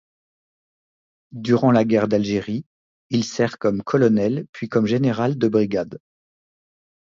Durant la guerre d'Algérie, il sert comme colonel puis comme général de brigade.